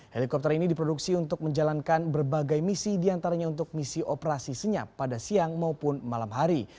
helikopter ini diproduksi untuk menjalankan berbagai misi diantaranya untuk misi operasi senyap pada siang maupun malam hari